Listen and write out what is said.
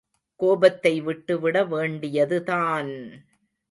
கோபத்தை விட்டுவிட வேண்டியது தான்!